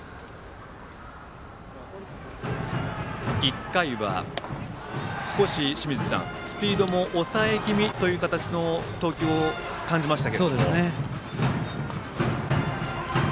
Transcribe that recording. １回は、少しスピードも抑え気味という形の投球に感じました。